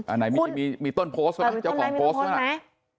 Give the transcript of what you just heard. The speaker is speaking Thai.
อันนั้นมีต้นโพสต์หรือไม่มีต้นโพสต์หรือไม่